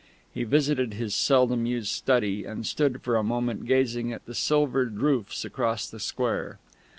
He visited his seldom used study, and stood for a moment gazing at the silvered roofs across the square.